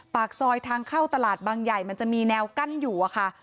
ปากซอยทางเข้าตลาดบางใหญ่มันจะมีแนวกั้นอยู่อะค่ะ